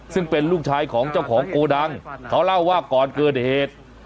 ซึ่งเป็นลูกชายของเจ้าของโกดังเขาเล่าว่าก่อนเกิดเหตุ